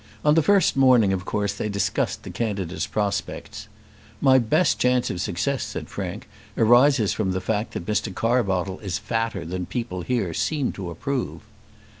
On the first morning of course they discussed the candidates' prospects. "My best chance of success," said Frank, "arises from the fact that Mr. Carbottle is fatter than the people here seem to approve."